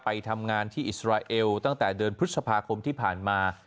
ไปทำงานที่อิสราเอลตั้งแต่เดือนพฤษภาคมที่ผ่านมา